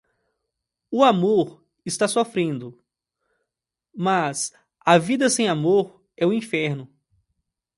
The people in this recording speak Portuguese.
O amor está sofrendo, mas a vida sem amor é o inferno.